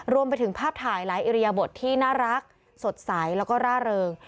รวมไปถึงภาพถ่ายหลายอิริยบทที่น่ารักสดใสแล้วก็ร่าเริง